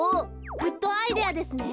グッドアイデアですね。